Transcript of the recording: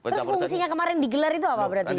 terus fungsinya kemarin digelar itu apa berarti